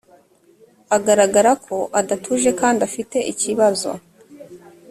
agaragarako adatuje kandi afite ikibazo